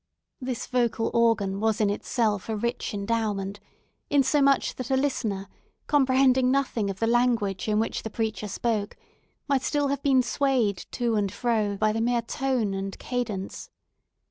This vocal organ was in itself a rich endowment, insomuch that a listener, comprehending nothing of the language in which the preacher spoke, might still have been swayed to and fro by the mere tone and cadence.